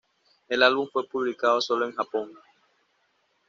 El álbum fue publicado solo en Japón.